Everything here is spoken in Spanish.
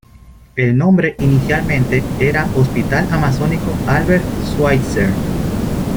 El nombre inicialmente era Hospital Amazónico "Albert Schweitzer".